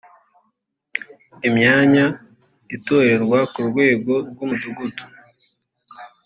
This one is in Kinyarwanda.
imyanya itorerwa ku rwego rw umudugudu